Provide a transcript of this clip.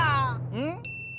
うん？